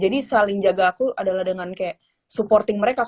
jadi saling jaga aku adalah dengan kayak supporting mereka ya kan